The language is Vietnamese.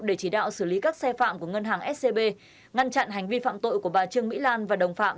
để chỉ đạo xử lý các xe phạm của ngân hàng scb ngăn chặn hành vi phạm tội của bà trương mỹ lan và đồng phạm